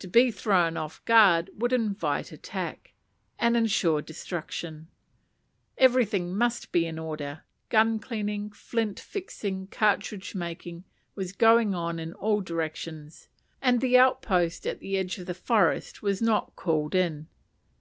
To be thrown off guard would invite an attack, and ensure destruction; everything must be in order: gun cleaning, flint fixing, cartridge making, was going on in all directions; and the outpost at the edge of the forest was not called in.